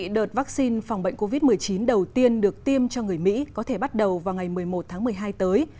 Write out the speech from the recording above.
đợt vaccine phòng bệnh covid một mươi chín đầu tiên được tiêm cho người mỹ có thể bắt đầu vào ngày một mươi một tháng một mươi hai tới